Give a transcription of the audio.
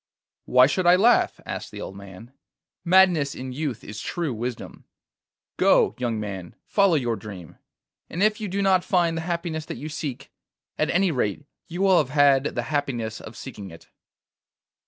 'Why should I laugh?' asked the old man. 'Madness in youth is true wisdom. Go, young man, follow your dream, and if you do not find the happiness that you seek, at any rate you will have had the happiness of seeking it.